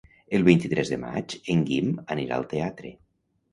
El vint-i-tres de maig en Guim anirà al teatre.